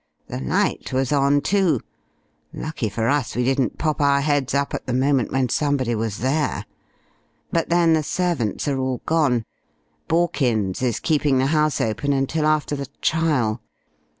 The light was on, too. Lucky for us we didn't pop our heads up at the moment when someone was there. But then the servants are all gone. Borkins is keeping the house open until after the trial.